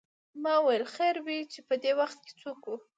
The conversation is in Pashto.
ما ویل خیر وې چې پدې وخت څوک و.